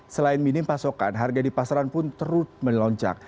selain minim pasokan harga di pasaran pun terus melonjak